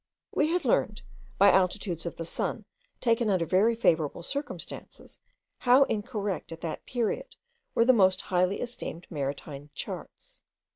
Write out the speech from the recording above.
We had learned, by altitudes of the sun, taken under very favourable circumstances, how incorrect at that period were the most highly esteemed marine charts.